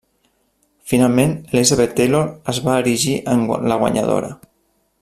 Finalment Elizabeth Taylor es va erigir en la guanyadora.